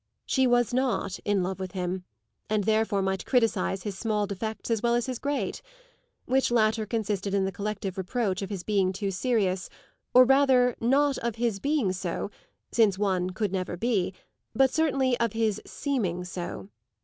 She was not in love with him and therefore might criticise his small defects as well as his great which latter consisted in the collective reproach of his being too serious, or, rather, not of his being so, since one could never be, but certainly of his seeming so.